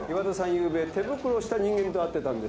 昨夜手袋をした人間と会ってたんです。